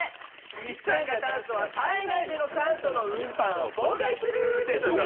一酸化炭素は体内での酸素の運搬を妨害する！っていう所。